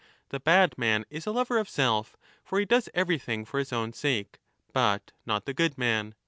The bad man is a lover of self (for he does everything for his own sake), but not the good man.